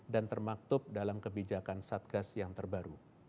dan termaktub dalam kebijakan satgas yang terbaru